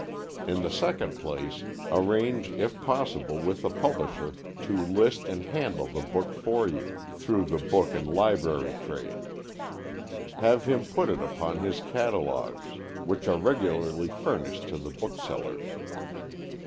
In the second place, arrange if possible with the publisher to list and handle the book for you, through the book and library trade. Have him put it upon his catalogues, which are regularly furnished to the booksellers.